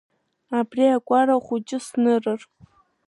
Абри акәара хәыҷы снырыр…